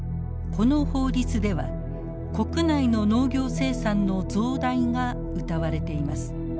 この法律では国内の農業生産の増大がうたわれています。